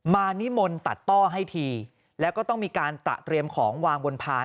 นิมนต์ตัดต้อให้ทีแล้วก็ต้องมีการตระเตรียมของวางบนพาน